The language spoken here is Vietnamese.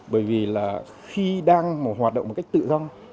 bởi vì là khi đang hoạt động một cách tự do